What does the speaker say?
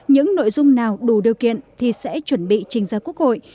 những nội dung nào đủ điều kiện thì sẽ chuẩn bị trình ra quốc hội